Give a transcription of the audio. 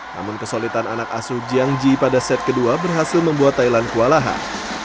namun kesolitan anak asu jiang ji pada set kedua berhasil membuat thailand kewalahan